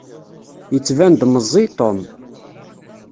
Yettban-d meẓẓi Tom.